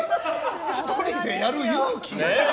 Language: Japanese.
１人でやる勇気！